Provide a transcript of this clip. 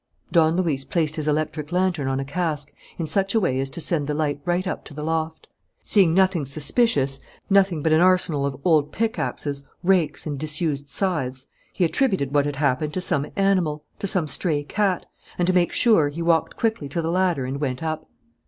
Don Luis placed his electric lantern on a cask in such a way as to send the light right up to the loft. Seeing nothing suspicious, nothing but an arsenal of old pickaxes, rakes, and disused scythes, he attributed what had happened so some animal, to some stray cat; and, to make sure, he walked quickly to the ladder and went up.